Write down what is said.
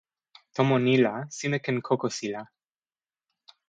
tomo ni la sina ken kokosila.